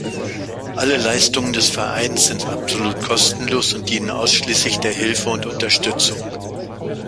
Alle Leistungen des Vereins sind absolut kostenlos und dienen ausschließlich der Hilfe und Unterstützung.